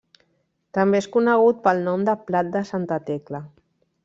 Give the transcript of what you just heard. També és conegut pel nom de Plat de Santa Tecla.